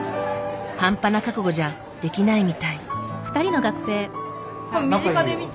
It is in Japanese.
半端な覚悟じゃできないみたい。